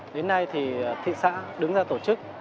đến nay thị xã đứng ra tổ chức